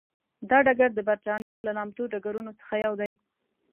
دا ډګر د برېتانیا له نامتو ډګرونو څخه یو دی.